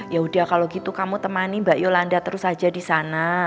ya kalau begitu kamu temani mbak yolanda terus saja di sana